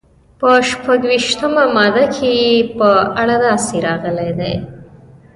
په شپږویشتمه ماده کې یې په اړه داسې راغلي دي.